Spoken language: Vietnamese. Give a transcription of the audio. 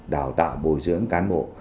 đào tạo bồi dưỡng cán bộ